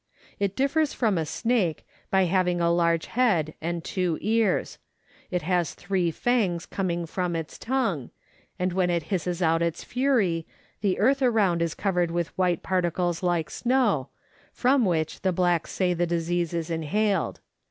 It differs from a snake, by having a large head and two ears; it has three fangs coming from its tongue, and when it hisses out its fury the earth around is covered with white particles like snow, from which the blacks say the disease is inhaled.